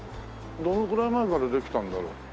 どのぐらい前からできたんだろう？